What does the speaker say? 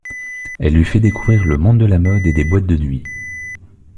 Elle lui fait découvrir le monde de la mode et des boîtes de nuits.